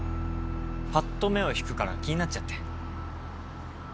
パッと目を引くから気になっちゃって。